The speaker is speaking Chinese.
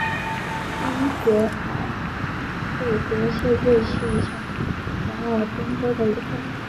恩格尔贝格是瑞士上瓦尔登州的一个镇。